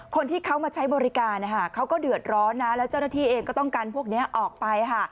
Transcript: คนที่เขามาใช้บริการเขาก็เดือดร้อนนะแล้วเจ้าหน้าที่เองก็ต้องกันพวกนี้ออกไป